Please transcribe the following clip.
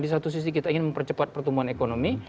di satu sisi kita ingin mempercepat pertumbuhan ekonomi